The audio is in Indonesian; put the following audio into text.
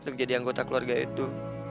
untuk jadi anggota keluarga itu